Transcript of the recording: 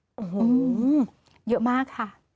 โอ้โหเยอะมากค่ะ